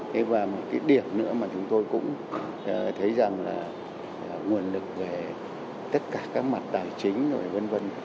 thế và một cái điểm nữa mà chúng tôi cũng thấy rằng là nguồn lực về tất cả các mặt tài chính rồi v v